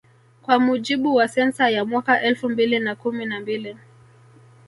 Kwa mujibu wa sensa ya mwaka elfu mbili na kumi na mbili